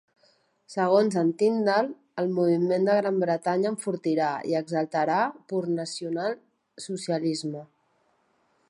Segons en Tyndall, "El Moviment de Gran Bretanya enfortirà, i exaltarà, pur Nacional Socialisme".